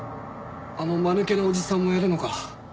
あの間抜けなおじさんもやるのか？